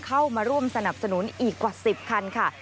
เข้ามาร่วมสนับสนุนอีกกว่า๑๐คันค่ะ